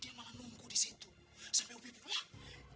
dia mau ketemu tapi bapak bilang pergi